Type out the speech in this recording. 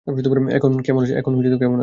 এখন কেমন আছে ও?